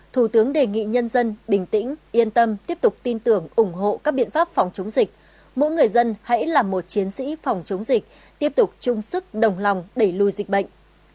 bảy thủ tướng đề nghị nhân dân bình tĩnh yên tâm tiếp tục tin tưởng ủng hộ các biện pháp phòng chống dịch mỗi người dân hãy là một chiến sĩ phòng chống dịch